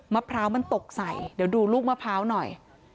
มะพร้าวมันตกใส่เดี๋ยวดูลูกมะพร้าวหน่อย